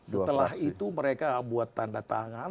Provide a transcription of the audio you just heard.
setelah itu mereka buat tanda tangan